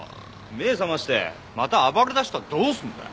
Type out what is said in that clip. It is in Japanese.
目ぇ覚ましてまた暴れ出したらどうすんだよ。